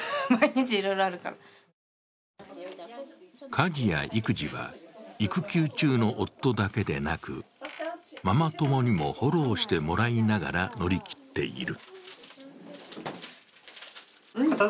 家事や育児は育休中の夫だけでなくママ友にもフォローしてもらいながら乗り切っている。